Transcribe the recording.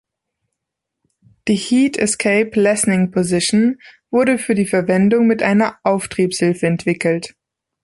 Die Heat Escape Lessening Position wurde für die Verwendung mit einer Auftriebshilfe entwickelt.